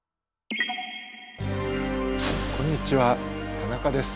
こんにちは田中です。